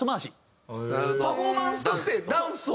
パフォーマンスとしてダンスを。